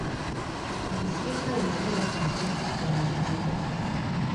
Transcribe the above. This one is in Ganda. Abaserikale nabo beetaaga okujjanjabibwa